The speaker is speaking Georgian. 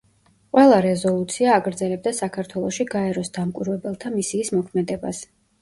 ყველა რეზოლუცია აგრძელებდა საქართველოში გაეროს დამკვირვებელთა მისიის მოქმედებას.